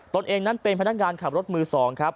ตนเองนั้นเป็นพนักงานขับรถมือ๒ครับ